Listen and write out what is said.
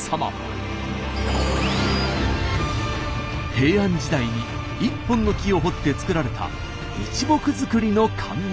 平安時代に一本の木を彫って造られた一木造りの観音様。